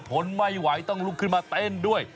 ทนไม่ไหวต้องลุกขึ้นมาเต้นด้วย